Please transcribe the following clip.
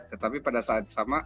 tetapi pada saat sama